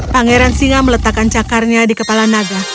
pangeran singa meletakkan cakarnya di kepala naga